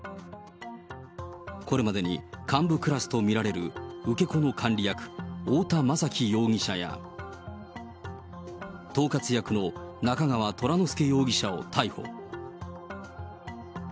これまでに幹部クラスと見られる受け子の管理役、太田雅揮容疑者や、統括役の中川虎乃輔容疑者を逮捕。